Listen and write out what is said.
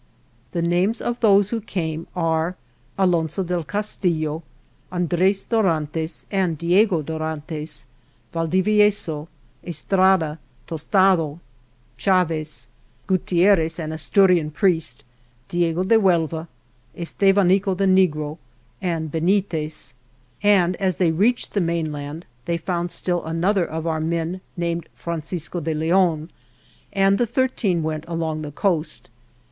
The names of those who came are : Alonso del Castillo, Andres Dorantes and Diego Dorantes, Valdivieso, Estrada, Tostado, Chaves, Gutierrez, an Asturian priest; Diego de Huelva, Estevanico, the negro Benitez, and as they reached the mainland they found still another of our men named Francisco de Leon, and the thirteen went along the coast.